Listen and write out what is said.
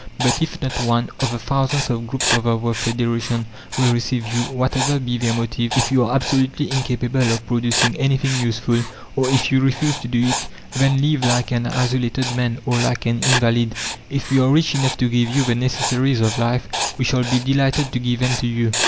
But if not one, of the thousands of groups of our federation, will receive you, whatever be their motive; if you are absolutely incapable of producing anything useful, or if you refuse to do it, then live like an isolated man or like an invalid. If we are rich enough to give you the necessaries of life we shall be delighted to give them to you.